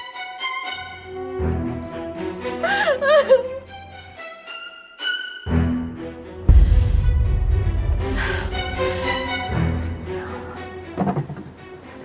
tidak tidak udah